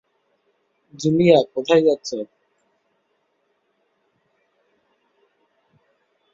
Julia, কোথায় যাচ্ছো?